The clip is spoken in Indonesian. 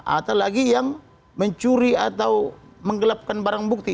atau lagi yang mencuri atau menggelapkan barang bukti